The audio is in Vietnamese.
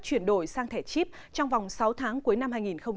chuyển đổi sang thẻ chip trong vòng sáu tháng cuối năm hai nghìn một mươi chín